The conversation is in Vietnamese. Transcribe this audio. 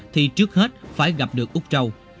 thì trước hết phải gặp được úc râu